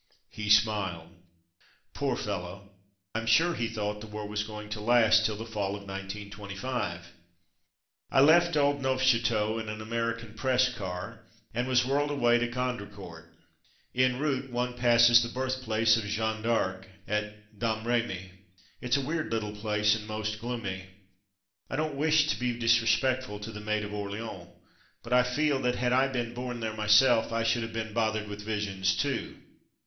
He smiled. Poor fellow ! Tm sure he thought the war was going to last till the fall of 1925. I left old Neufchateau in an American Press car, and was whirled away to Gon dricourt. En route one passes the birth place of Jean d'Arc, at Domremy. It's a weird little place, and most gloomy. I don't wish to be disrespectful to the Maid of Orleans, but I feel that had I been born 288 From Mud to Mufti there myself I should have been bothered with visions too.